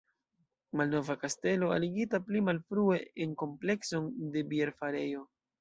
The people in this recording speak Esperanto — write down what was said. Malnova kastelo, aligita pli malfrue en komplekson de bierfarejo.